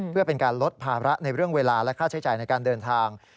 เพื่อเป็นการลดภาระในเรื่องเวลาและค่าใช้จ่ายในการเดินทาง